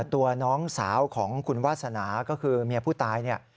ตัวน้องสาวของคุณวาสนาก็คือเมียผู้ตายเนี่ย